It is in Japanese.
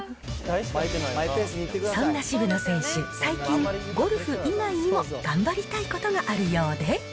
そんな渋野選手、最近、ゴルフ以外にも頑張りたいことがあるようで。